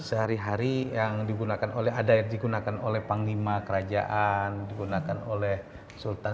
sehari hari yang digunakan oleh ada yang digunakan oleh panglima kerajaan digunakan oleh sultan